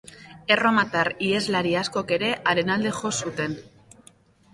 Erromatar iheslari askok ere haren alde jo zuten.